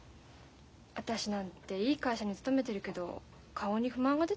私なんていい会社に勤めてるけど顔に不満が出てるもん。